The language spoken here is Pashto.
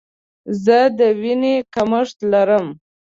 زه د ویني کمښت لرم.